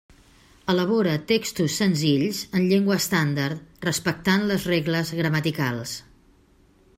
Elabora textos senzills en llengua estàndard, respectant les regles gramaticals.